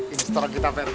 ini setoran kita pak rt